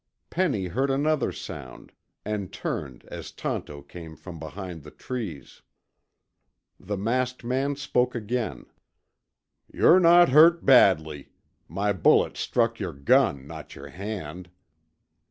Penny heard another sound, and turned as Tonto came from behind the trees. The masked man spoke again. "You're not hurt badly. My bullet struck your gun, not your hand."